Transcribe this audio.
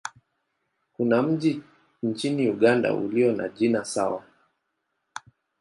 Kuna mji nchini Uganda ulio na jina sawa.